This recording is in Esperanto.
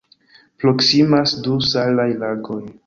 Proksimas du salaj lagoj.